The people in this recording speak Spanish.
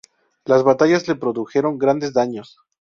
Las batallas le produjeron grandes daños.